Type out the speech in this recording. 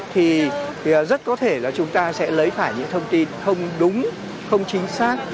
thì rất có thể là chúng ta sẽ lấy phải những thông tin không đúng không chính xác